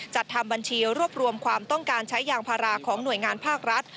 จัดทำบัญชีรวบรวมความต้องการใช้ยางพาราของหน่วยงานภาครัฐ